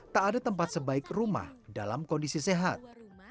tak ada tempat sebaik rumah dalam kondisi sehat